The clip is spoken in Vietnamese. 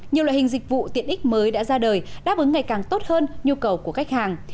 nhiều loại hình dịch vụ tiện ích mới đã ra đời đáp ứng ngày càng tốt hơn nhu cầu của khách hàng